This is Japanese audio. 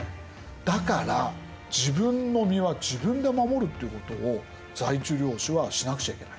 だから自分の身は自分で守るっていうことを在地領主はしなくちゃいけない。